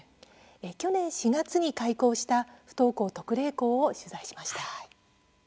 去年４月に開校した不登校特例校を取材しました。